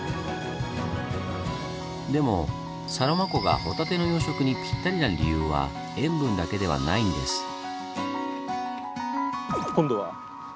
でもサロマ湖がホタテの養殖にぴったりな理由は塩分だけではないんです。